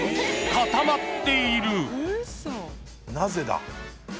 なぜだ？